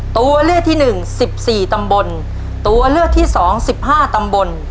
ตัวเลือกที่หนึ่งสิบสี่ตำบลตัวเลือกที่สองสิบห้าตำบล